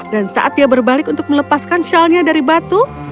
dan saat dia berbalik untuk melepaskan shalnya dari batu